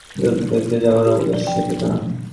অথচ একদিন হাসপাতালে সুরীতিকে দেখতে যাবার অবকাশ সে পেত না।